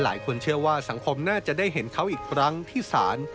หลายคนเชื่อว่าสังคมน่าจะได้เห็นเขาอีกครั้งที่ศาล